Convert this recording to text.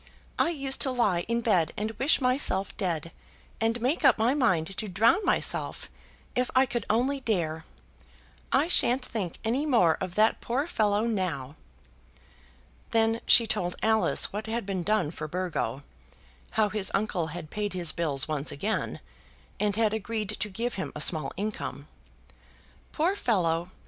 I used to lie in bed and wish myself dead, and make up my mind to drown myself, if I could only dare. I shan't think any more of that poor fellow now." Then she told Alice what had been done for Burgo; how his uncle had paid his bills once again, and had agreed to give him a small income. "Poor fellow!"